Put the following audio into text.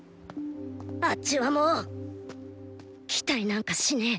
あッチはもう期待なんかしねぇ！